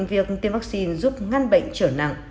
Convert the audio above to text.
việc tiêm vaccine giúp ngăn bệnh trở nặng